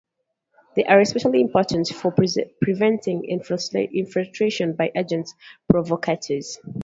They are especially important for preventing infiltration by agents provocateurs.